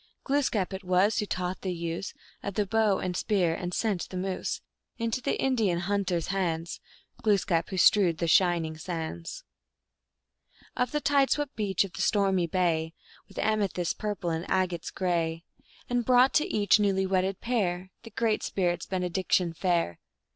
Glooskap it was who taught the use Of the bow and the spear, and sent the moose Into the Indian hunter s hands ; Glooskap who strewed the shining sands Of the tide swept beach of the stormy bay With amethysts purple and agates gray, And brought to each newly wedded pair The Great Spirit s benediction fair.